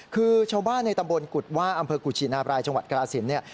คือชาวบ้านในตำบลกุฎว่าอำเภอกุชินาบรายจังหวัดกราศิลป์เนี่ย